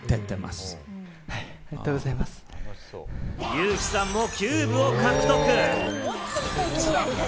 ユウヒさんもキューブを獲得！